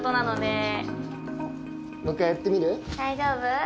大丈夫？